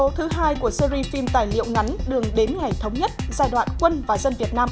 số thứ hai của series phim tài liệu ngắn đường đến ngày thống nhất giai đoạn quân và dân việt nam